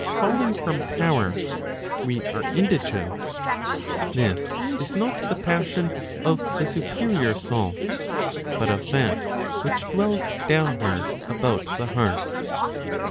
459 falling from power, we are indignant, this is not the passion of the superior soul, but of that which dwells downward, about the heart.